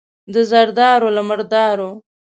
د زردارو، له مردارو.